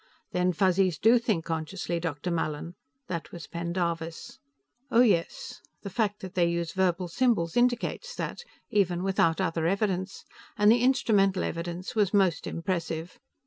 "Then Fuzzies do think consciously, Dr. Mallin?" That was Pendarvis. "Oh, yes. The fact that they use verbal symbols indicates that, even without other evidence. And the instrumental evidence was most impressive.